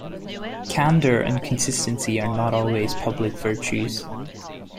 Candor and consistency are not always public virtues.